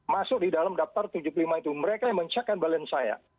masuk di dalam daftar tujuh puluh lima itu mereka yang mencekkan balance saya